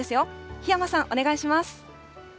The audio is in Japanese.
檜山さん、お願いします。